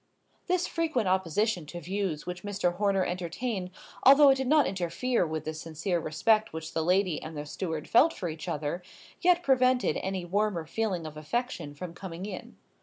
This frequent opposition to views which Mr. Horner entertained, although it did not interfere with the sincere respect which the lady and the steward felt for each other, yet prevented any warmer feeling of affection from coming in.